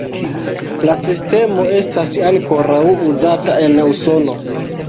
La sistemo estas ankoraŭ uzata en Usono.